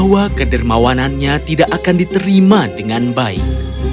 dia sadar bahwa kedermawanannya tidak akan diterima dengan baik